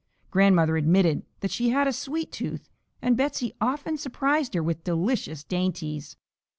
Grandmother admitted that she had a "sweet tooth," and Betsey often surprised her with delicious dainties.